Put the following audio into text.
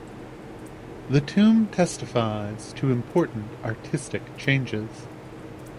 The tomb testifies to important artistic changes.